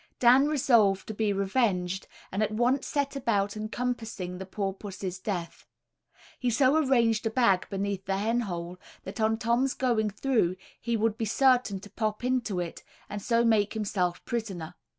Dan resolved to be revenged, and at once set about encompassing the poor pussy's death. He so arranged a bag beneath the hen hole, that on Tom's going through he would be certain to pop into it, and so make himself prisoner.